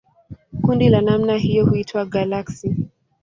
Kundi la namna hiyo huitwa galaksi.